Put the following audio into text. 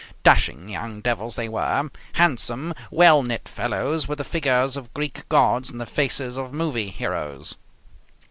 Dashing young devils they were, handsome, well knit fellows with the figures of Greek gods and the faces of movie heroes.